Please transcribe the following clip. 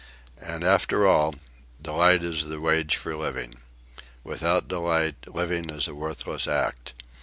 And after all, delight is the wage for living. Without delight, living is a worthless act.